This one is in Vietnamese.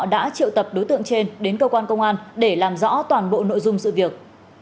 đã triệu tập đối tượng trên đến cơ quan công an để làm rõ toàn bộ nội dung sự việc